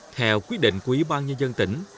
theo quyết định của ủy ban nhân dân tỉnh